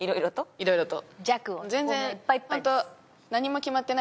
いろいろと。